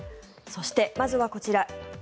そして、まずはこちら。